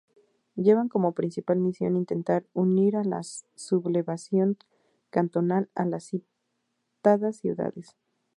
Llevan como principal misión intentar unir a la sublevación cantonal a las citadas ciudades.